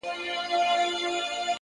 لوړ لید د امکاناتو افق پراخوي.